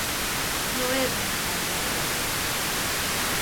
No és un negoci agradable.